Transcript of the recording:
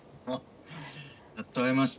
やっと会えました。